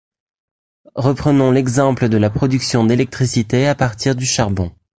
Reprenons l'exemple de la production d'électricité à partir du charbon.